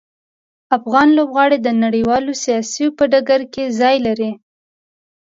افغان لوبغاړي د نړیوالو سیالیو په ډګر کې ځای لري.